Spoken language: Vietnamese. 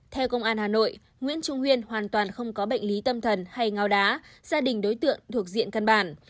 theo công an hà nội nguyễn trung huyên hoàn toàn không có bệnh lý tâm thần hay ngao đá gia đình đối tượng thuộc diện căn bản